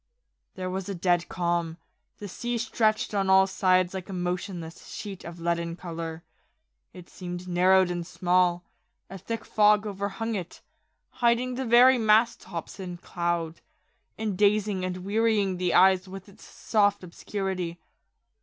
There was a dead calm. The sea stretched on all sides like a motionless sheet of leaden colour. It seemed narrowed and small ; a thick fog overhung it, hiding the very mast tops in 317 POEMS IN PROSE cloud, and dazing and wearying the eyes with its soft obscurity.